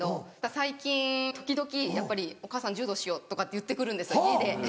最近時々やっぱり「お母さん柔道しよう」とかって言って来るんです家で。